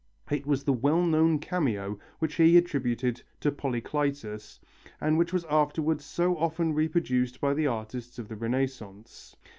It was the well known cameo which he attributed to Polycletus and which was afterwards so often reproduced by the artists of the Renaissance.